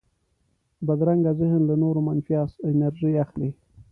بدرنګه ذهن له نورو منفي انرژي اخلي